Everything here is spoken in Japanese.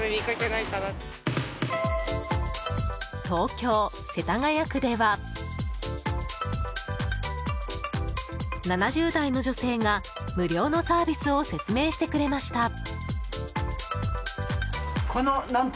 東京・世田谷区では７０代の女性が無料のサービスを説明してくれました。